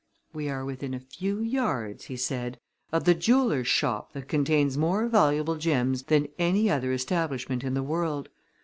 "We are within a few yards," he said, "of the jeweler's shop that contains more valuable gems than any other establishment in the world.